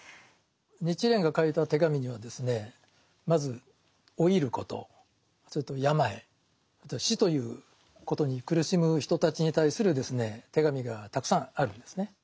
日蓮が書いた手紙にはですねまず老いることそれと病死ということに苦しむ人たちに対する手紙がたくさんあるんですね。